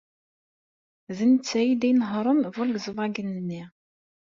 D netta ad inehṛen Volkswagen-nni.